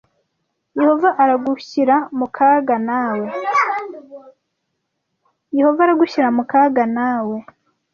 Yehova aragushyira mu kaga nawe